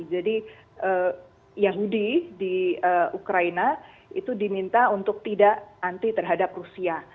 jadi yahudi di ukraina itu diminta untuk tidak anti terhadap rusia